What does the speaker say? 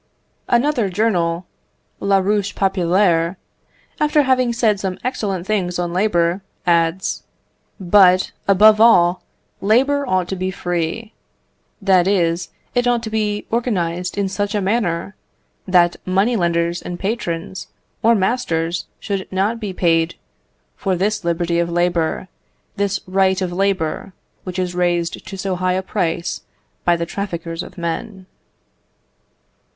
Another journal, La Ruche Populaire, after having said some excellent things on labour, adds, "But, above all, labour ought to be free; that is, it ought to be organised in such a manner, that money lenders and patrons, or masters, should not be paid for this liberty of labour, this right of labour, which is raised to so high a price by the traffickers of men."